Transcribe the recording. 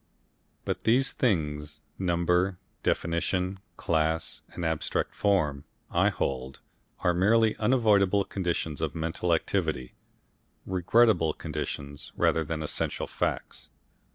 But these things, number, definition, class and abstract form, I hold, are merely unavoidable conditions of mental activity regrettable conditions rather than essential facts.